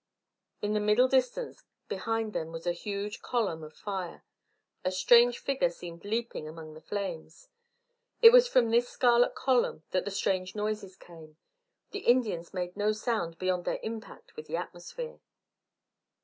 In the middle distance behind them was a huge column of fire. A strange figure seemed leaping among the flames. It was from this scarlet column that the strange noises came. The Indians made no sound beyond their impact with the atmosphere.